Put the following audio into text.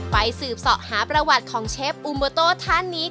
สืบเสาะหาประวัติของเชฟอูโมโต้ท่านนี้